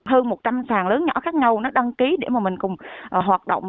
hơn một trăm linh phàng lớn nhỏ khác nhau nó đăng ký để mà mình cùng hoạt động